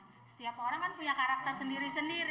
setiap orang kan punya karakter sendiri sendiri